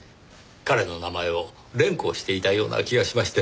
彼の名前を連呼していたような気がしまして。